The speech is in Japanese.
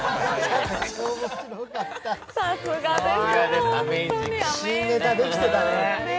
さすがです。